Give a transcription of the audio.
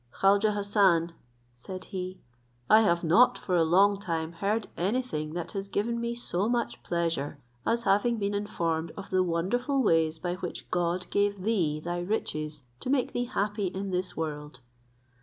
"Khaujeh Hassan," said he, "I have not for a long time heard any thing that has given me so much pleasure, as having been informed of the wonderful ways by which God gave thee thy riches to make thee happy in this world.